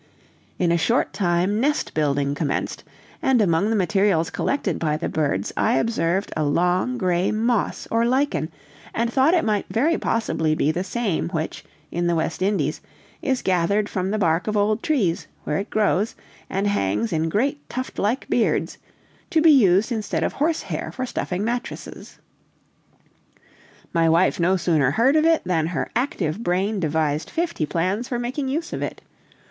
In a short time nest building commenced, and among the materials collected by the birds, I observed a long gray moss or lichen, and thought it might very possibly be the same which, in the West Indies, is gathered from the bark of old trees, where it grows, and hangs in great tuft like beards, to be used instead of horse hair for stuffing mattresses. My wife no sooner heard of it than her active brain devised fifty plans for making it of use.